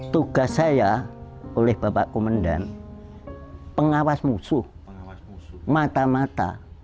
tugas saya oleh bapak komandan pengawas musuh mata mata